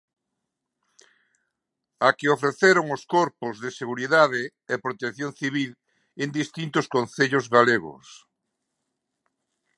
A que ofreceron os corpos de seguridade e protección civil en distintos concellos galegos.